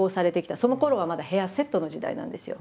そのころはまだヘアセットの時代なんですよ。